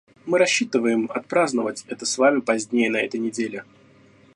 Мы рассчитываем отпраздновать это с вами позднее на этой неделе.